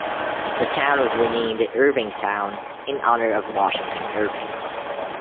The town was renamed, "Irvingtown", in honor of Washington Irving.